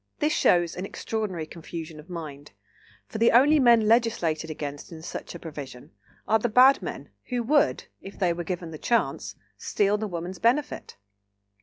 This shows an extraordinary confusion of mind; for the only men "legislated against" in such a provision are the bad men, who would, if they were given the chance, steal the woman's benefit.